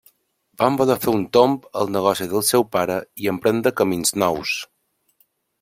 Van voler fer un tomb al negoci del seu pare i emprendre camins nous.